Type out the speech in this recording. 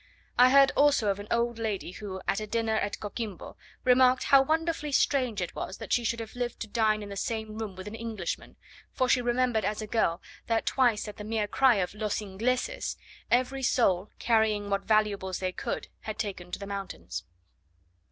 I heard also of an old lady who, at a dinner at Coquimbo, remarked how wonderfully strange it was that she should have lived to dine in the same room with an Englishman; for she remembered as a girl, that twice, at the mere cry of "Los Ingleses," every soul, carrying what valuables they could, had taken to the mountains.